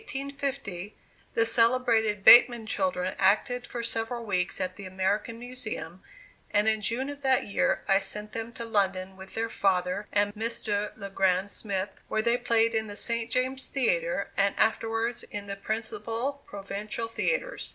In 1850, the celebrated Bateman children acted for several weeks at the American Museum and in June of that year I sent them to London with their father and Mr. Le Grand Smith, where they played in the St. James Theatre, and afterwards in the principal provincial theatres.